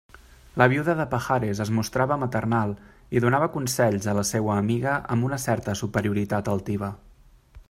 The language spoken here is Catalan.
La viuda de Pajares es mostrava maternal i donava consells a la seua amiga amb una certa superioritat altiva.